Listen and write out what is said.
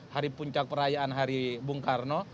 hari puncak perayaan hari bung karno